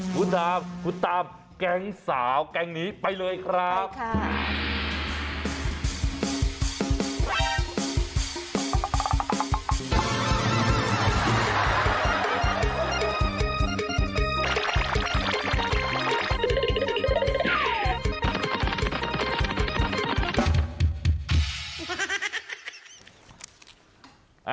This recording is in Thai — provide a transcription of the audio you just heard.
คุณตามคุณตามแก่งสาวแก่งหนีไปเลยครับเอาค่ะ